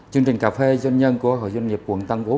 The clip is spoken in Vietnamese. chương trình cà phê doanh nhân của hội doanh nghiệp quận tân phú